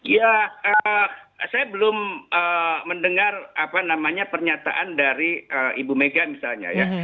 ya saya belum mendengar apa namanya pernyataan dari ibu mega misalnya ya